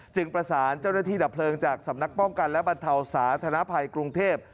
ประสานเจ้าหน้าที่ดับเพลิงจากสำนักป้องกันและบรรเทาสาธารณภัยกรุงเทพ